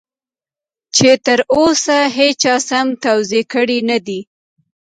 چې تر اوسه هېچا سم توضيح کړی نه دی.